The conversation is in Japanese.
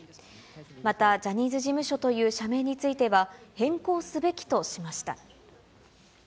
またジャニーズ事務所という社名については、変更すべきとしました。